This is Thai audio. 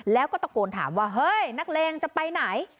แล้วก็ตะโกนถามว่าเฮ้ยนักเลงจะไปไหน